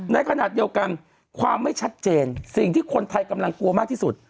ในขณะเดียวกันความไม่ชัดเจนสิ่งที่คนไทยกำลังกลัวมากที่สุด